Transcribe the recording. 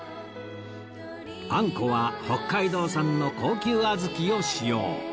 あんこは北海道産の高級小豆を使用